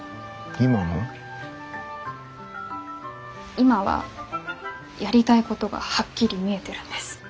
今はやりたいことがはっきり見えてるんです。